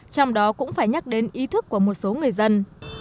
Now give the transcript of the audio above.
trong đó cũng phải nhắc đến ý thức của một số người dân